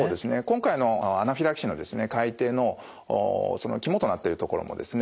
今回のアナフィラキシーの改訂の肝となってるところもですね